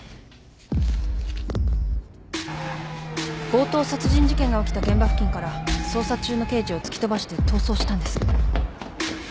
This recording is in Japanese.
強盗殺人事件が起きた現場付近から捜査中の刑事を突き飛ばして逃走したんです。